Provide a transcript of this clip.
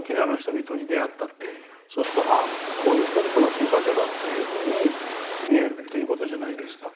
そうするとこういう人々の住む場所だというふうに見えるという事じゃないですか。